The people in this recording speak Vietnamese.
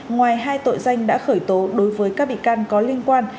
ngoài hai tội danh đã khởi tố đối với các bị can có liên quan